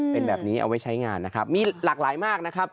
เป็นแบบนี้เอาไว้ใช้งานนะครับมีหลากหลายมากนะครับ